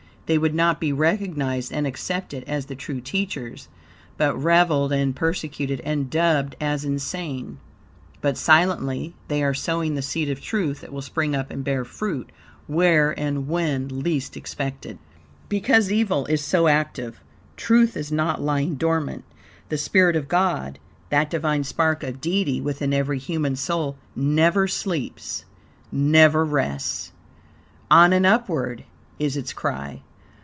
They would not be recognized and accepted as the TRUE teachers, but reviled and persecuted and dubbed as insane. But silently, they are sowing the seed of truth that will spring up and bear fruit, where and when least expected. Because evil is so active, truth is not lying dormant. The spirit of God, that Divine spark of Deity within every human soul, never sleeps, never rests. "On and upward" is its cry.